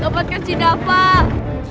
dapatkan si dapah